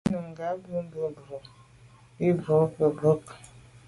Bú nùngà bì bú’də́ mbrú bì bú’də́ mbrú gə̀ mbrɔ́k.